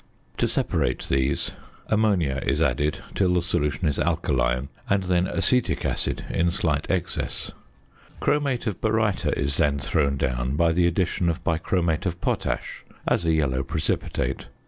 To separate these, ammonia is added till the solution is alkaline, and then acetic acid in slight excess. Chromate of baryta is then thrown down, by the addition of bichromate of potash, as a yellow precipitate.